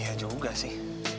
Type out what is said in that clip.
iya juga sih